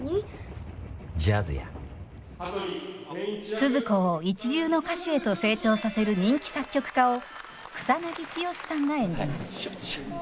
スズ子を一流の歌手へと成長させる人気作曲家を草剛さんが演じます。